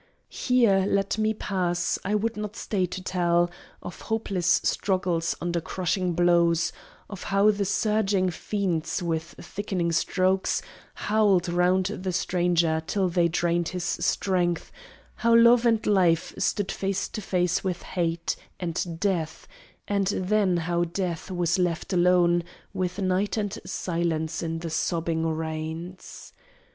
Here let me pass! I would not stay to tell Of hopeless struggles under crushing blows; Of how the surging fiends, with thickening strokes, Howled round the stranger till they drained his strength; How Love and Life stood face to face with Hate And Death; and then how Death was left alone With Night and Silence in the sobbing rains.